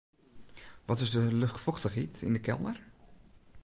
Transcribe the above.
Wat is de luchtfochtichheid yn 'e kelder?